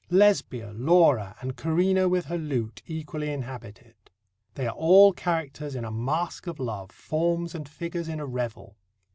Lesbia, Laura, and Corinna with her lute equally inhabit it. They are all characters in a masque of love, forms and figures in a revel.